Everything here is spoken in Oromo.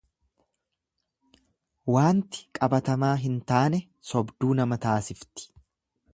Waanti qabatamaa hin taane sobduu nama taasifti.